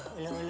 kau mau ngapain